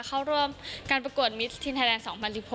เข้าร่วมการประกวดมิตรทีนไทยแลนด๒๐๑๖